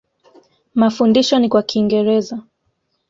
Mafundisho ni kwa Kiingereza.